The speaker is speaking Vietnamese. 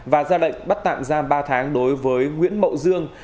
và ra lệnh bắt tạm giam ba tháng đối với nguyễn mậu dương